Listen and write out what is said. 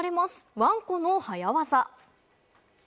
ワンコの早ワザ。